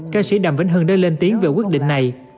ca sĩ đàm vĩnh hưng đã lên tiếng về quyết định này